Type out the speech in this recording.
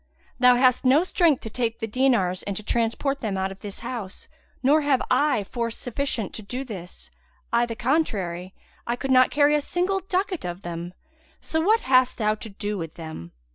Thou hast no strength to take the dinars and to transport them out of this house, nor have I force sufficient to do this; I the contrary, I could not carry a single ducat of them; so what hast thou to do with them?"